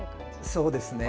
そうですね。